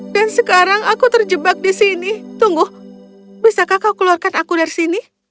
dan sekarang aku terjebak di sini tunggu bisakah kau keluarkan aku dari sini